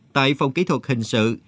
tại phòng kỹ thuật hình sự